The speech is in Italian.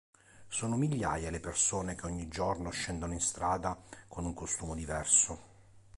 Sono migliaia le persone che ogni giorno scendono in strada con un costume diverso.